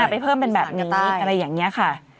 ไปเพิ่มเป็นแบบนี้อะไรอย่างนี้ค่ะ